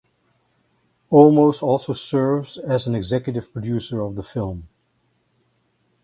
Olmos also serves as an executive producer of the film.